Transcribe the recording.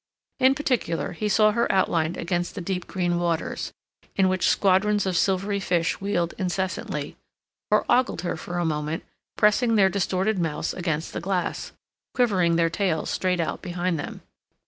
In particular, he saw her outlined against the deep green waters, in which squadrons of silvery fish wheeled incessantly, or ogled her for a moment, pressing their distorted mouths against the glass, quivering their tails straight out behind them.